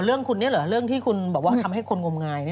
เรื่องคุณนี่เหรอเรื่องที่คุณบอกว่าทำให้คนงมงาย